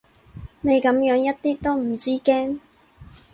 你噉樣一啲都唔知驚